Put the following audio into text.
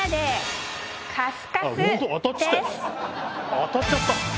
当たっちゃったよ。